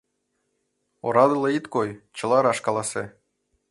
Орадыла ит кой, чыла раш каласе!